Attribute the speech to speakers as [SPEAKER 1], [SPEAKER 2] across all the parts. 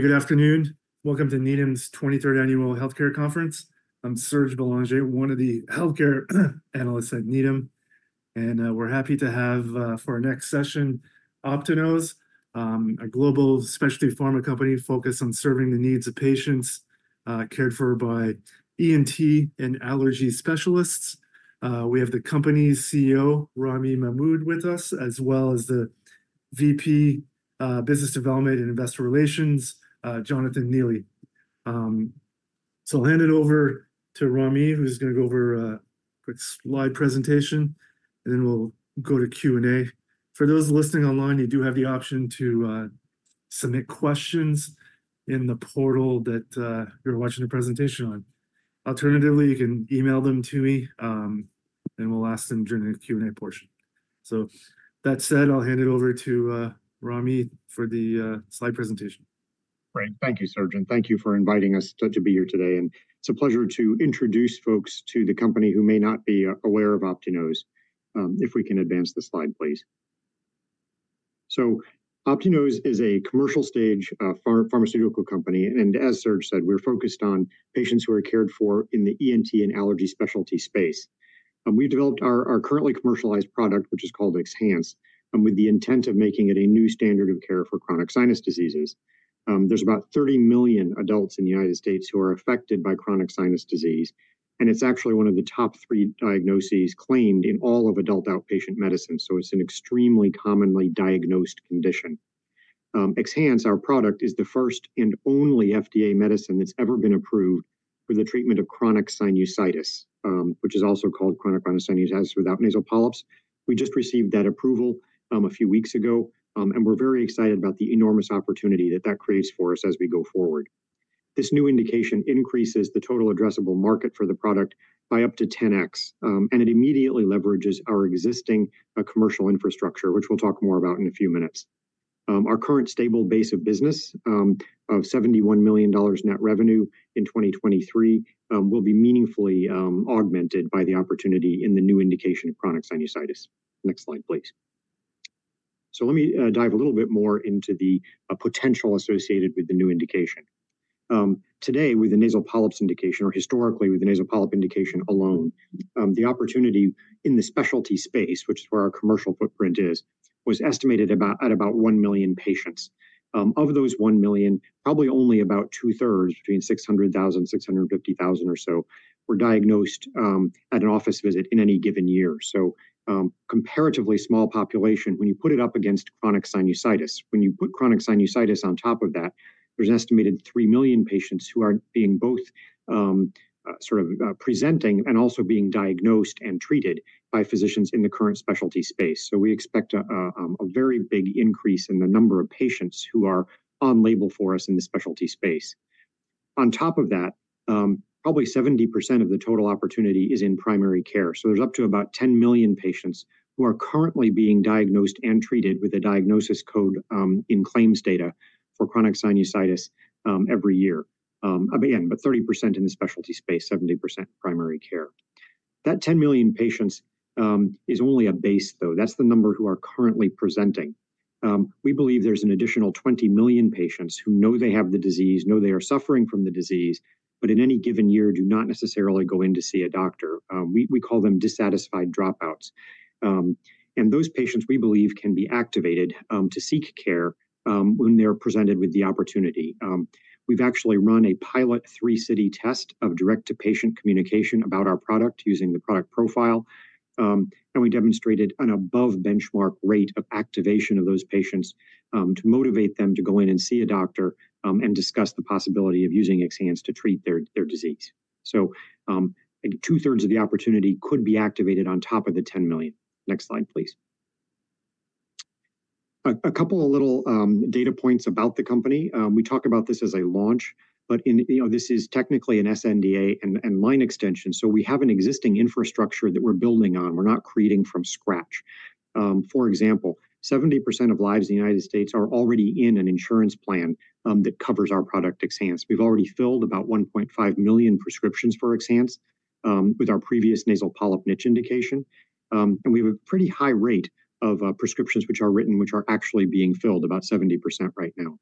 [SPEAKER 1] Good afternoon. Welcome to Needham's 23rd Annual Healthcare Conference. I'm Serge Belanger, one of the healthcare analysts at Needham, and we're happy to have for our next session Optinose, a global, specialty pharma company focused on serving the needs of patients cared for by ENT and allergy specialists. We have the company's CEO, Ramy Mahmoud, with us, as well as the VP Business Development and Investor Relations, Jonathan Neely. I'll hand it over to Ramy, who's going to go over a quick slide presentation, and then we'll go to Q&A. For those listening online, you do have the option to submit questions in the portal that you're watching the presentation on. Alternatively, you can email them to me, and we'll ask them during the Q&A portion. That said, I'll hand it over to Ramy for the slide presentation.
[SPEAKER 2] Great. Thank you, Serge, and thank you for inviting us to be here today. It's a pleasure to introduce folks to the company who may not be aware of Optinose. If we can advance the slide, please. Optinose is a commercial stage pharmaceutical company, and, as Serge said, we're focused on patients who are cared for in the ENT and allergy specialty space. We've developed our currently commercialized product, which is called XHANCE, with the intent of making it a new standard of care for chronic sinus diseases. There's about 30 million adults in the United States who are affected by chronic sinus disease. It's actually one of the top 3 diagnoses claimed in all of adult outpatient medicine. It's an extremely commonly diagnosed condition. XHANCE, our product, is the first and only FDA medicine that's ever been approved for the treatment of chronic sinusitis, which is also called chronic sinusitis without nasal polyps. We just received that approval a few weeks ago, and we're very excited about the enormous opportunity that that creates for us as we go forward. This new indication increases the total addressable market for the product by up to 10x, and it immediately leverages our existing commercial infrastructure, which we'll talk more about in a few minutes. Our current stable base of business of $71 million net revenue in 2023 will be meaningfully augmented by the opportunity in the new indication of chronic sinusitis. Next slide, please. So let me dive a little bit more into the potential associated with the new indication. Today, with the nasal polyps indication, or historically with the nasal polyp indication alone, the opportunity in the specialty space, which is where our commercial footprint is, was estimated at about 1 million patients. Of those 1 million, probably only about two-thirds, between 600,000 and 650,000 or so, were diagnosed at an office visit in any given year. So comparatively small population, when you put it up against chronic sinusitis, when you put chronic sinusitis on top of that, there's an estimated 3 million patients who are being both sort of presenting and also being diagnosed and treated by physicians in the current specialty space. So we expect a very big increase in the number of patients who are on label for us in the specialty space. On top of that, probably 70% of the total opportunity is in primary care. So there's up to about 10 million patients who are currently being diagnosed and treated with a diagnosis code in claims data for chronic sinusitis every year. Again, but 30% in the specialty space, 70% primary care. That 10 million patients is only a base, though. That's the number who are currently presenting. We believe there's an additional 20 million patients who know they have the disease, know they are suffering from the disease, but in any given year do not necessarily go in to see a doctor. We call them dissatisfied dropouts. And those patients, we believe, can be activated to seek care when they're presented with the opportunity. We've actually run a pilot 3-city test of direct-to-patient communication about our product using the product profile. We demonstrated an above-benchmark rate of activation of those patients to motivate them to go in and see a doctor and discuss the possibility of using XHANCE to treat their disease. So two-thirds of the opportunity could be activated on top of the 10 million. Next slide, please. A couple of little data points about the company. We talk about this as a launch, but this is technically an SNDA and line extension. So we have an existing infrastructure that we're building on. We're not creating from scratch. For example, 70% of lives in the United States are already in an insurance plan that covers our product, XHANCE. We've already filled about 1.5 million prescriptions for XHANCE with our previous nasal polyp niche indication. And we have a pretty high rate of prescriptions which are written, which are actually being filled, about 70% right now.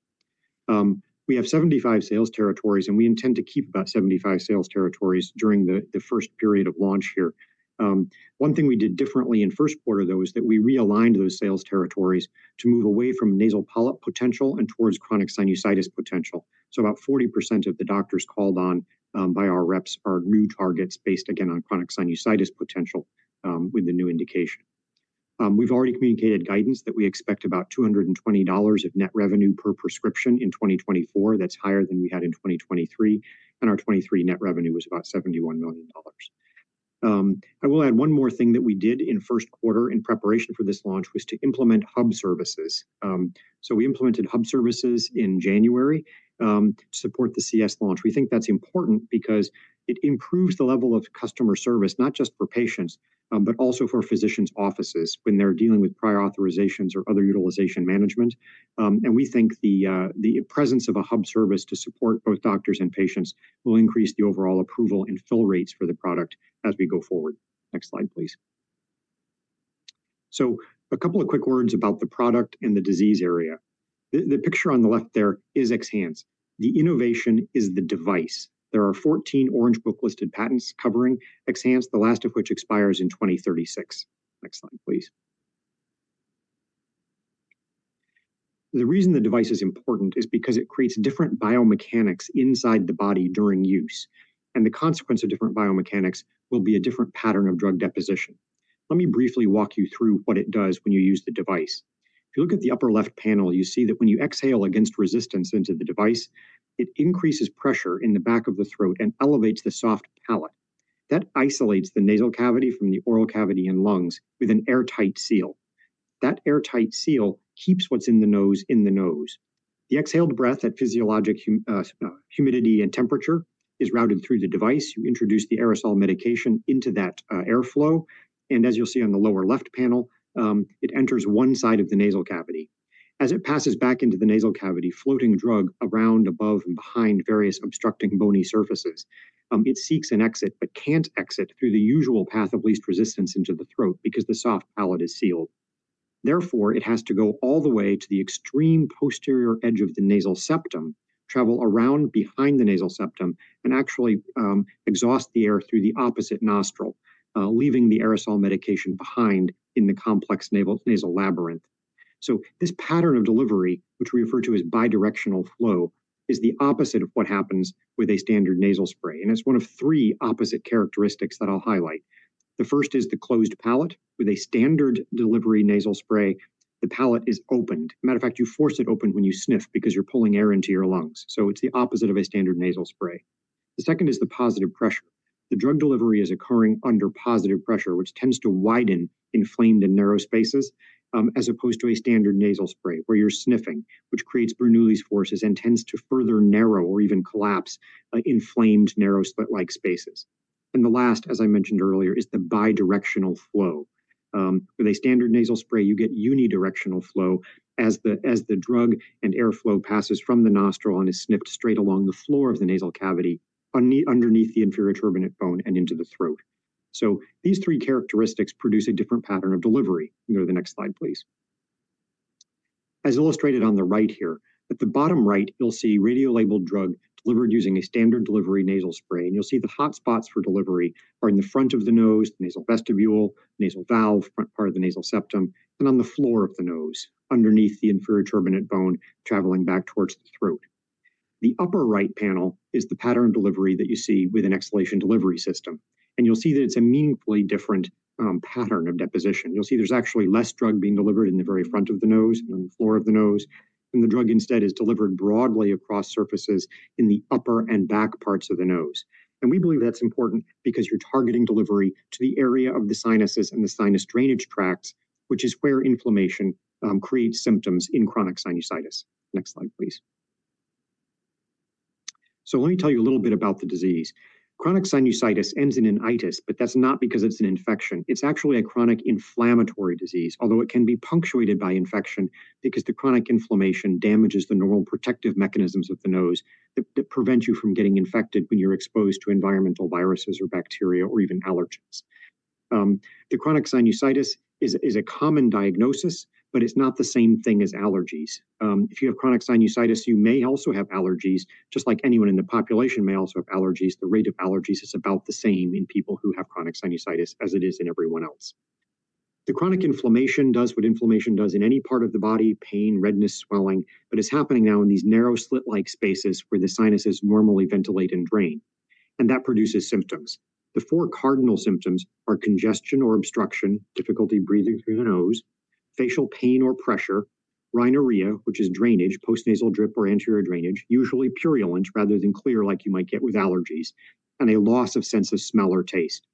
[SPEAKER 2] We have 75 sales territories, and we intend to keep about 75 sales territories during the first period of launch here. One thing we did differently in the Q1, though, is that we realigned those sales territories to move away from nasal polyp potential and towards chronic sinusitis potential. So about 40% of the doctors called on by our reps are new targets based, again, on chronic sinusitis potential with the new indication. We've already communicated guidance that we expect about $220 of net revenue per prescription in 2024. That's higher than we had in 2023. And our 2023 net revenue was about $71 million. I will add one more thing that we did in the Q1 in preparation for this launch was to implement hub services. So we implemented hub services in January to support the CS launch. We think that's important because it improves the level of customer service, not just for patients, but also for physicians' offices when they're dealing with prior authorizations or other utilization management. And we think the presence of a hub service to support both doctors and patients will increase the overall approval and fill rates for the product as we go forward. Next slide, please. So a couple of quick words about the product and the disease area. The picture on the left there is XHANCE. The innovation is the device. There are 14 Orange Book-listed patents covering XHANCE, the last of which expires in 2036. Next slide, please. The reason the device is important is because it creates different biomechanics inside the body during use. And the consequence of different biomechanics will be a different pattern of drug deposition. Let me briefly walk you through what it does when you use the device. If you look at the upper left panel, you see that when you exhale against resistance into the device, it increases pressure in the back of the throat and elevates the soft palate. That isolates the nasal cavity from the oral cavity and lungs with an airtight seal. That airtight seal keeps what's in the nose in the nose. The exhaled breath at physiologic humidity and temperature is routed through the device. You introduce the aerosol medication into that airflow. As you'll see on the lower left panel, it enters one side of the nasal cavity. As it passes back into the nasal cavity, floating drug around above and behind various obstructing bony surfaces, it seeks an exit but can't exit through the usual path of least resistance into the throat because the soft palate is sealed. Therefore, it has to go all the way to the extreme posterior edge of the nasal septum, travel around behind the nasal septum, and actually exhaust the air through the opposite nostril, leaving the aerosol medication behind in the complex nasal labyrinth. So this pattern of delivery, which we refer to as bidirectional flow, is the opposite of what happens with a standard nasal spray. And it's one of three opposite characteristics that I'll highlight. The first is the closed palate with a standard delivery nasal spray. The palate is opened. Matter of fact, you force it open when you sniff because you're pulling air into your lungs. So it's the opposite of a standard nasal spray. The second is the positive pressure. The drug delivery is occurring under positive pressure, which tends to widen inflamed and narrow spaces as opposed to a standard nasal spray where you're sniffing, which creates Bernoulli's forces and tends to further narrow or even collapse inflamed narrow slit-like spaces. And the last, as I mentioned earlier, is the bidirectional flow. With a standard nasal spray, you get unidirectional flow as the drug and airflow passes from the nostril and is sniffed straight along the floor of the nasal cavity underneath the inferior turbinate bone and into the throat. So these three characteristics produce a different pattern of delivery. Go to the next slide, please. As illustrated on the right here, at the bottom right, you'll see radiolabeled drug delivered using a standard delivery nasal spray, and you'll see the hotspots for delivery are in the front of the nose, the nasal vestibule, nasal valve, front part of the nasal septum, and on the floor of the nose, underneath the inferior turbinate bone traveling back towards the throat. The upper right panel is the pattern of delivery that you see with an exhalation delivery system. You'll see that it's a meaningfully different pattern of deposition. You'll see there's actually less drug being delivered in the very front of the nose and on the floor of the nose. The drug instead is delivered broadly across surfaces in the upper and back parts of the nose. We believe that's important because you're targeting delivery to the area of the sinuses and the sinus drainage tracts, which is where inflammation creates symptoms in chronic sinusitis. Next slide, please. Let me tell you a little bit about the disease. Chronic sinusitis ends in an itis, but that's not because it's an infection. It's actually a chronic inflammatory disease, although it can be punctuated by infection because the chronic inflammation damages the normal protective mechanisms of the nose that prevent you from getting infected when you're exposed to environmental viruses or bacteria or even allergens. The chronic sinusitis is a common diagnosis, but it's not the same thing as allergies. If you have chronic sinusitis, you may also have allergies, just like anyone in the population may also have allergies. The rate of allergies is about the same in people who have chronic sinusitis as it is in everyone else. The chronic inflammation does what inflammation does in any part of the body: pain, redness, swelling, but it's happening now in these narrow slit-like spaces where the sinuses normally ventilate and drain. That produces symptoms. The 4 cardinal symptoms are congestion or obstruction, difficulty breathing through the nose, facial pain or pressure, rhinorrhea, which is drainage, postnasal drip, or anterior drainage, usually purulent rather than clear like you might get with allergies, and a loss of sense of smell or taste.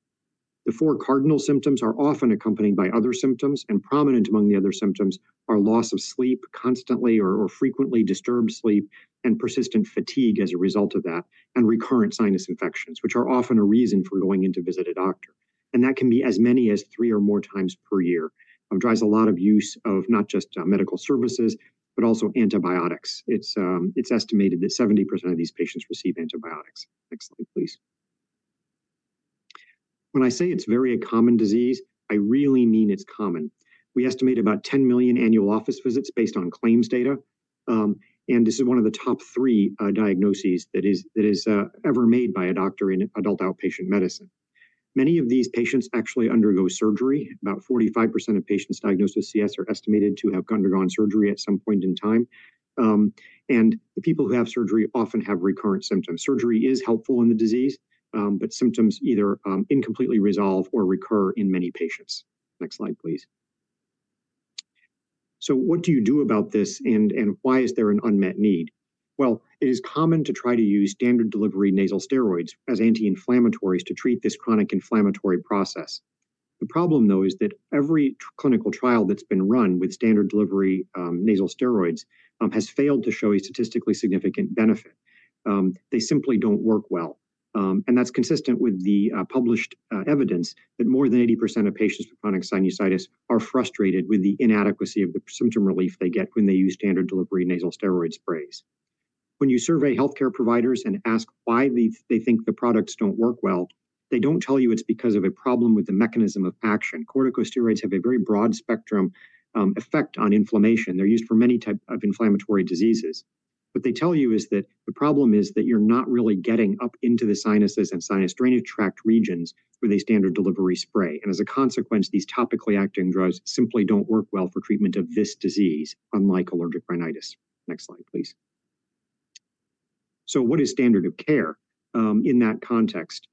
[SPEAKER 2] The four cardinal symptoms are often accompanied by other symptoms, and prominent among the other symptoms are loss of sleep, constantly or frequently disturbed sleep, and persistent fatigue as a result of that, and recurrent sinus infections, which are often a reason for going in to visit a doctor. That can be as many as three or more times per year. It drives a lot of use of not just medical services, but also antibiotics. It's estimated that 70% of these patients receive antibiotics. Next slide, please. When I say it's very common disease, I really mean it's common. We estimate about $10 million annual office visits based on claims data. This is one of the top three diagnoses that is ever made by a doctor in adult outpatient medicine. Many of these patients actually undergo surgery. About 45% of patients diagnosed with CS are estimated to have undergone surgery at some point in time. The people who have surgery often have recurrent symptoms. Surgery is helpful in the disease, but symptoms either incompletely resolve or recur in many patients. Next slide, please. What do you do about this, and why is there an unmet need? Well, it is common to try to use standard delivery nasal steroids as anti-inflammatories to treat this chronic inflammatory process. The problem, though, is that every clinical trial that's been run with standard delivery nasal steroids has failed to show a statistically significant benefit. They simply don't work well. That's consistent with the published evidence that more than 80% of patients with chronic sinusitis are frustrated with the inadequacy of the symptom relief they get when they use standard delivery nasal steroid sprays. When you survey healthcare providers and ask why they think the products don't work well, they don't tell you it's because of a problem with the mechanism of action. Corticosteroids have a very broad spectrum effect on inflammation. They're used for many types of inflammatory diseases. What they tell you is that the problem is that you're not really getting up into the sinuses and sinus drainage tract regions with a standard delivery spray. And as a consequence, these topically acting drugs simply don't work well for treatment of this disease, unlike allergic rhinitis. Next slide, please. So what is standard of care in that context?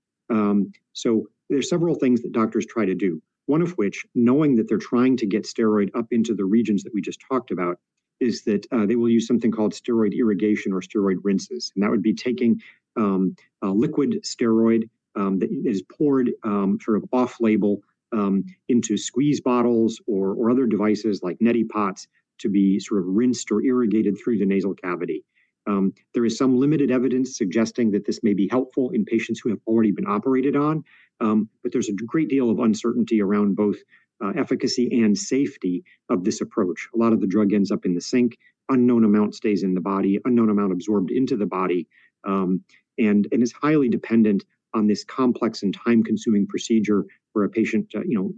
[SPEAKER 2] So there's several things that doctors try to do, one of which, knowing that they're trying to get steroid up into the regions that we just talked about, is that they will use something called steroid irrigation or steroid rinses. That would be taking a liquid steroid that is poured sort of off label into squeeze bottles or other devices like Neti pots to be sort of rinsed or irrigated through the nasal cavity. There is some limited evidence suggesting that this may be helpful in patients who have already been operated on. But there's a great deal of uncertainty around both efficacy and safety of this approach. A lot of the drug ends up in the sink. Unknown amount stays in the body, unknown amount absorbed into the body. And it's highly dependent on this complex and time-consuming procedure where a patient,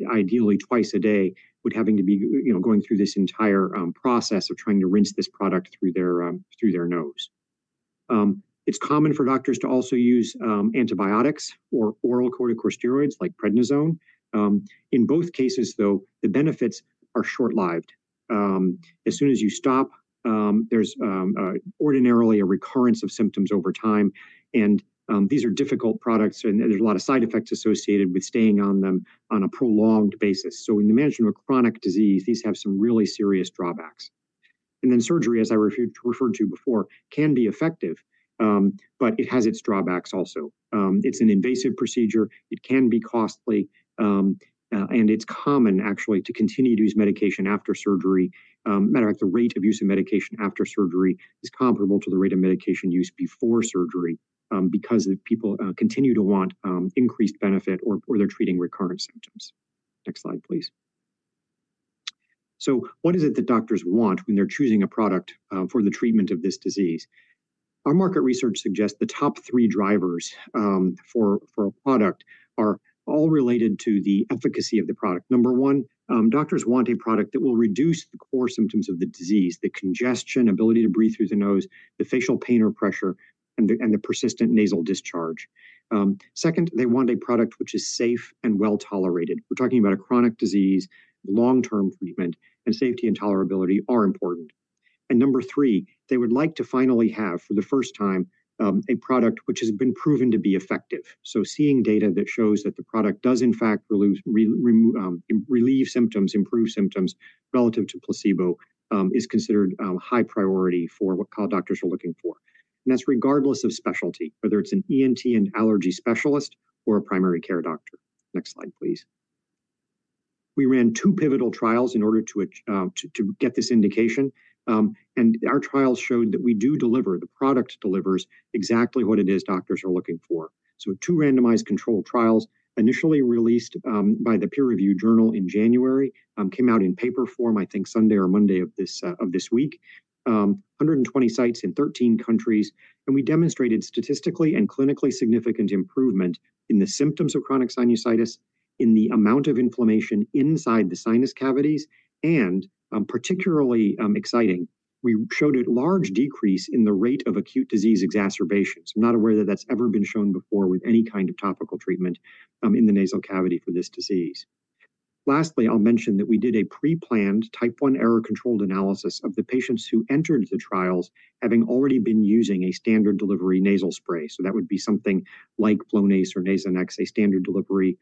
[SPEAKER 2] ideally twice a day, would have to be going through this entire process of trying to rinse this product through their nose. It's common for doctors to also use antibiotics or oral corticosteroids like prednisone. In both cases, though, the benefits are short-lived. As soon as you stop, there's ordinarily a recurrence of symptoms over time. These are difficult products, and there's a lot of side effects associated with staying on them on a prolonged basis. In the management of a chronic disease, these have some really serious drawbacks. Then surgery, as I referred to before, can be effective. It has its drawbacks also. It's an invasive procedure. It can be costly. It's common, actually, to continue to use medication after surgery. Matter of fact, the rate of use of medication after surgery is comparable to the rate of medication use before surgery because people continue to want increased benefit or they're treating recurrent symptoms. Next slide, please. What is it that doctors want when they're choosing a product for the treatment of this disease? Our market research suggests the top three drivers for a product are all related to the efficacy of the product. Number 1, doctors want a product that will reduce the core symptoms of the disease: the congestion, ability to breathe through the nose, the facial pain or pressure, and the persistent nasal discharge. Second, they want a product which is safe and well tolerated. We're talking about a chronic disease. Long-term treatment and safety and tolerability are important. And number 3, they would like to finally have for the first time a product which has been proven to be effective. So seeing data that shows that the product does, in fact, relieve symptoms, improve symptoms relative to placebo, is considered high priority for what doctors are looking for. And that's regardless of specialty, whether it's an ENT and allergy specialist or a primary care doctor. Next slide, please. We ran two pivotal trials in order to get this indication. Our trials showed that we do deliver. The product delivers exactly what it is doctors are looking for. Two randomized control trials initially released by the peer review journal in January came out in paper form, I think, Sunday or Monday of this week. 120 sites in 13 countries. We demonstrated statistically and clinically significant improvement in the symptoms of chronic sinusitis, in the amount of inflammation inside the sinus cavities, and particularly exciting, we showed a large decrease in the rate of acute disease exacerbations. I'm not aware that that's ever been shown before with any kind of topical treatment in the nasal cavity for this disease. Lastly, I'll mention that we did a pre-planned Type I error-controlled analysis of the patients who entered the trials having already been using a standard delivery nasal spray. So that would be something like Flonase or Nasonex, a standard delivery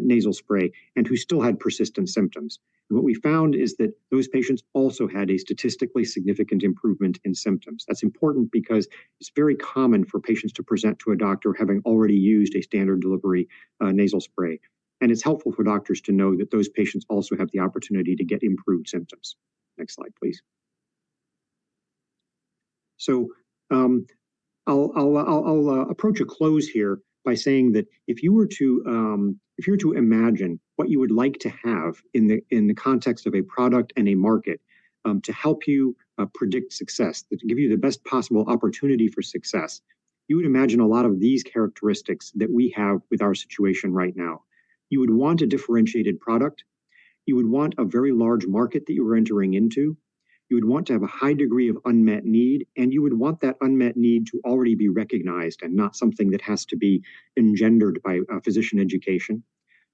[SPEAKER 2] nasal spray, and who still had persistent symptoms. And what we found is that those patients also had a statistically significant improvement in symptoms. That's important because it's very common for patients to present to a doctor having already used a standard delivery nasal spray. And it's helpful for doctors to know that those patients also have the opportunity to get improved symptoms. Next slide, please. So I'll approach a close here by saying that if you were to, if you were to imagine what you would like to have in the context of a product and a market to help you predict success, to give you the best possible opportunity for success, you would imagine a lot of these characteristics that we have with our situation right now. You would want a differentiated product. You would want a very large market that you were entering into. You would want to have a high degree of unmet need, and you would want that unmet need to already be recognized and not something that has to be engendered by physician education.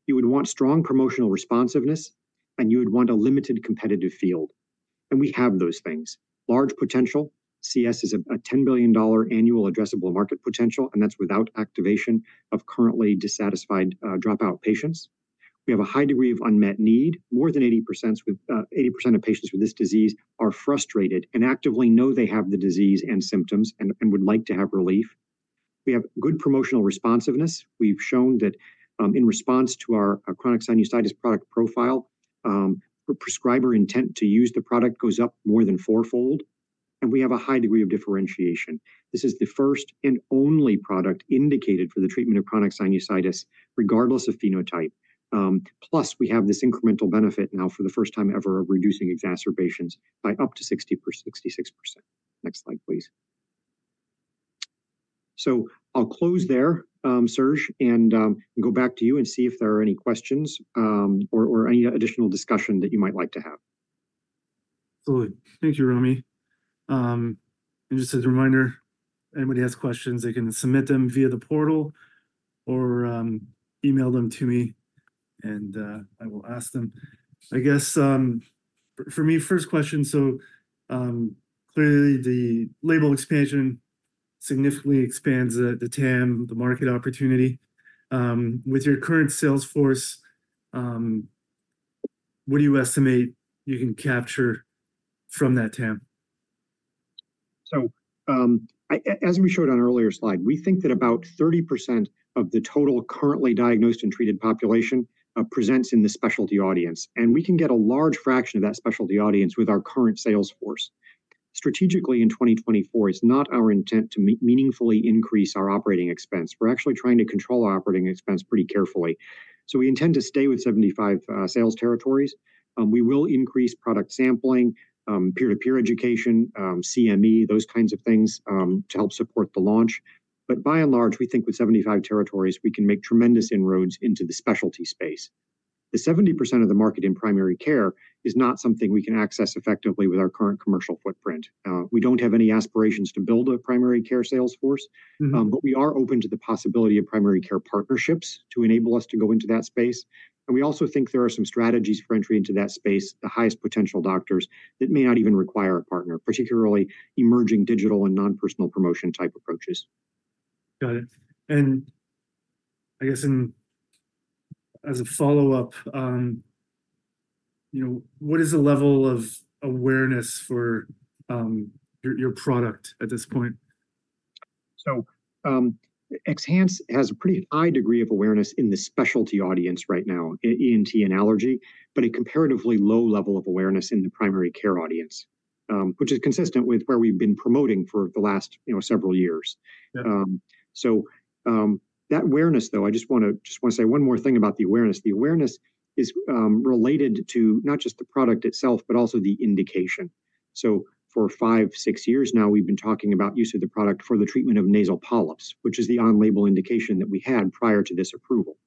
[SPEAKER 2] You would want strong promotional responsiveness, and you would want a limited competitive field. We have those things. Large potential. CS is a $10 billion annual addressable market potential, and that's without activation of currently dissatisfied dropout patients. We have a high degree of unmet need. More than 80% of patients with this disease are frustrated and actively know they have the disease and symptoms and would like to have relief. We have good promotional responsiveness. We've shown that in response to our chronic sinusitis product profile, prescriber intent to use the product goes up more than fourfold. And we have a high degree of differentiation. This is the first and only product indicated for the treatment of chronic sinusitis, regardless of phenotype. Plus, we have this incremental benefit now for the first time ever of reducing exacerbations by up to 60%, 66%. Next slide, please. So I'll close there, Serge, and go back to you and see if there are any questions or any additional discussion that you might like to have. Absolutely.
[SPEAKER 1] Thank you, Ramy. And just as a reminder, anybody has questions, they can submit them via the portal or email them to me. And I will ask them. I guess for me, first question. So clearly, the label expansion significantly expands the TAM, the market opportunity. With your current sales force, what do you estimate you can capture from that TAM?
[SPEAKER 2] So as we showed on an earlier slide, we think that about 30% of the total currently diagnosed and treated population presents in the specialty audience. And we can get a large fraction of that specialty audience with our current sales force. Strategically, in 2024, it's not our intent to meaningfully increase our operating expense. We're actually trying to control our operating expense pretty carefully. So we intend to stay with 75 sales territories. We will increase product sampling, peer-to-peer education, CME, those kinds of things to help support the launch. But by and large, we think with 75 territories, we can make tremendous inroads into the specialty space. The 70% of the market in primary care is not something we can access effectively with our current commercial footprint. We don't have any aspirations to build a primary care sales force. We are open to the possibility of primary care partnerships to enable us to go into that space. We also think there are some strategies for entry into that space, the highest potential doctors that may not even require a partner, particularly emerging digital and nonpersonal promotion type approaches.
[SPEAKER 1] Got it. And I guess as a follow-up, what is the level of awareness for your product at this point?
[SPEAKER 2] So XHANCE has a pretty high degree of awareness in the specialty audience right now, ENT and allergy, but a comparatively low level of awareness in the primary care audience. Which is consistent with where we've been promoting for the last several years. So that awareness, though, I just want to say one more thing about the awareness. The awareness is related to not just the product itself, but also the indication. So for 5-6 years now, we've been talking about use of the product for the treatment of nasal polyps, which is the on-label indication that we had prior to this approval.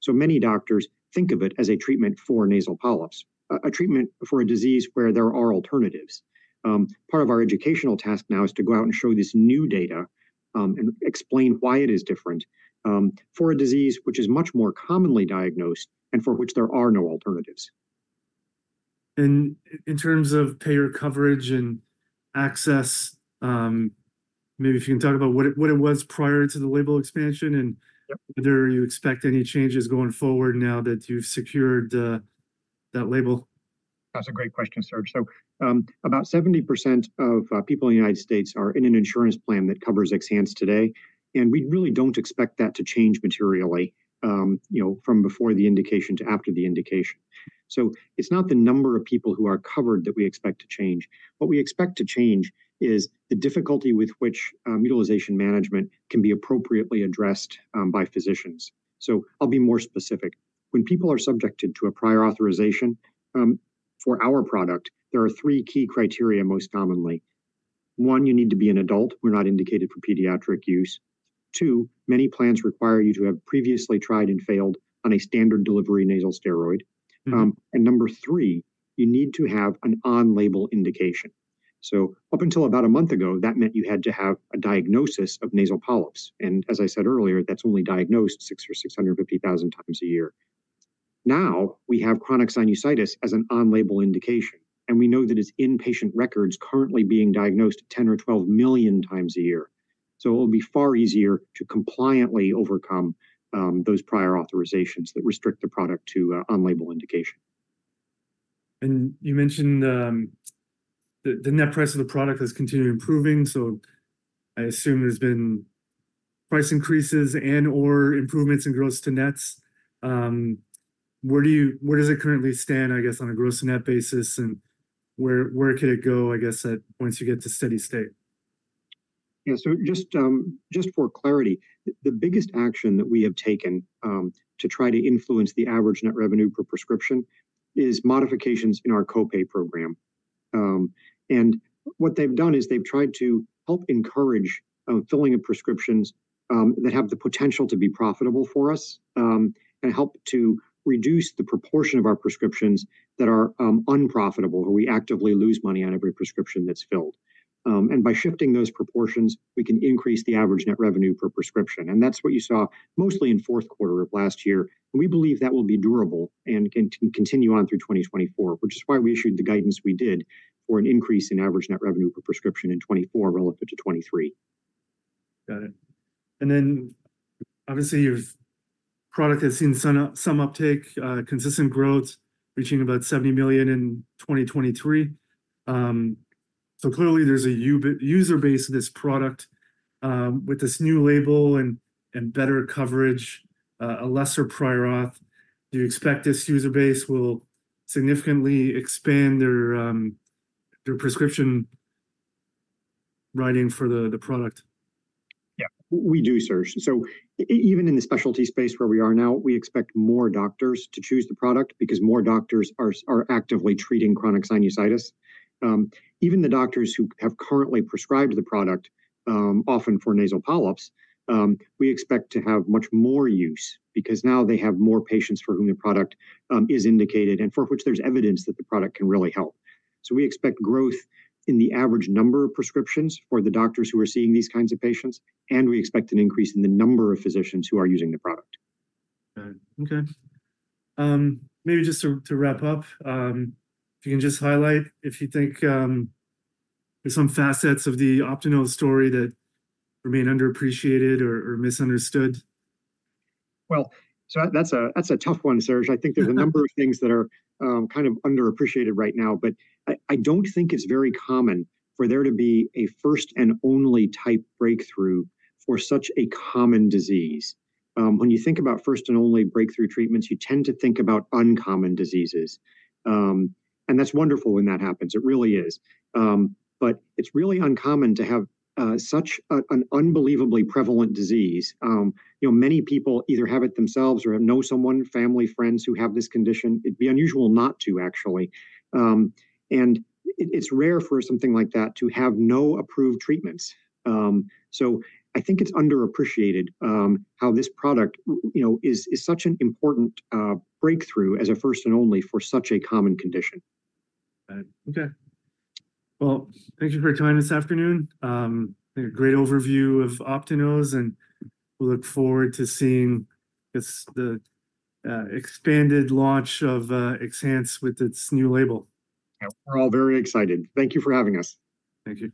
[SPEAKER 2] So many doctors think of it as a treatment for nasal polyps, a treatment for a disease where there are alternatives. Part of our educational task now is to go out and show this new data and explain why it is different for a disease which is much more commonly diagnosed and for which there are no alternatives.
[SPEAKER 1] In terms of payer coverage and access, maybe if you can talk about what it was prior to the label expansion and whether you expect any changes going forward now that you've secured that label?
[SPEAKER 2] That's a great question, Serge. So about 70% of people in the United States are in an insurance plan that covers XHANCE today. And we really don't expect that to change materially. From before the indication to after the indication. So it's not the number of people who are covered that we expect to change. What we expect to change is the difficulty with which utilization management can be appropriately addressed by physicians. So I'll be more specific. When people are subjected to a prior authorization for our product, there are three key criteria most commonly. One, you need to be an adult. We're not indicated for pediatric use. Two, many plans require you to have previously tried and failed on a standard delivery nasal steroid. And number 3, you need to have an on-label indication. Up until about a month ago, that meant you had to have a diagnosis of nasal polyps. As I said earlier, that's only diagnosed 6 or 650,000 times a year. Now we have chronic sinusitis as an on-label indication. We know that it's in patient records currently being diagnosed 10 or 12 million times a year. It'll be far easier to compliantly overcome those prior authorizations that restrict the product to on-label indication.
[SPEAKER 1] And you mentioned the net price of the product has continued improving. So I assume there's been price increases and/or improvements in gross to nets. Where does it currently stand, I guess, on a gross to net basis? And where could it go, I guess, once you get to steady state?
[SPEAKER 2] Yeah, so just for clarity, the biggest action that we have taken to try to influence the average net revenue per prescription is modifications in our copay program. What they've done is they've tried to help encourage filling of prescriptions that have the potential to be profitable for us and help to reduce the proportion of our prescriptions that are unprofitable, where we actively lose money on every prescription that's filled. By shifting those proportions, we can increase the average net revenue per prescription. That's what you saw mostly in the Q4 of last year. We believe that will be durable and can continue on through 2024, which is why we issued the guidance we did for an increase in average net revenue per prescription in 2024 relative to 2023.
[SPEAKER 1] Got it. And then obviously your product has seen some uptake, consistent growth, reaching about $70 million in 2023. So clearly there's a user base of this product. With this new label and better coverage, a lesser prior auth. Do you expect this user base will significantly expand their prescription writing for the product?
[SPEAKER 2] Yeah, we do, Serge. So even in the specialty space where we are now, we expect more doctors to choose the product because more doctors are actively treating chronic sinusitis. Even the doctors who have currently prescribed the product, often for nasal polyps, we expect to have much more use because now they have more patients for whom the product is indicated and for which there's evidence that the product can really help. So we expect growth in the average number of prescriptions for the doctors who are seeing these kinds of patients. And we expect an increase in the number of physicians who are using the product.
[SPEAKER 1] Got it. Okay. Maybe just to wrap up. If you can just highlight if you think there's some facets of the Optinose story that remain underappreciated or misunderstood.
[SPEAKER 2] Well, so that's a tough one, Serge. I think there's a number of things that are kind of underappreciated right now, but I don't think it's very common for there to be a first and only type breakthrough for such a common disease. When you think about first and only breakthrough treatments, you tend to think about uncommon diseases. That's wonderful when that happens. It really is. But it's really uncommon to have such an unbelievably prevalent disease. Many people either have it themselves or know someone, family, friends who have this condition. It'd be unusual not to, actually. It's rare for something like that to have no approved treatments. So I think it's underappreciated how this product is such an important breakthrough as a first and only for such a common condition.
[SPEAKER 1] Got it. Okay. Well, thank you for your time this afternoon. I think a great overview of Optinose, and we look forward to seeing the expanded launch of XHANCE with its new label.
[SPEAKER 2] We're all very excited. Thank you for having us.
[SPEAKER 3] Thank you.